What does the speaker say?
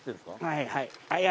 はいはい。